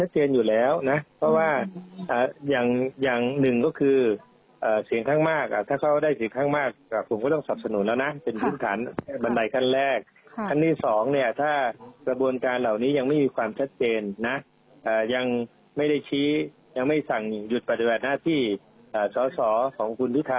แต่ถ้ากระบวนการเหล่านี้หยังไม่มีความชัดเกณฑ์